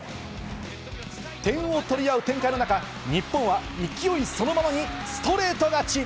点を取り合う展開の中、日本は勢いそのままにストレート勝ち。